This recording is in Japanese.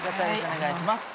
お願いします。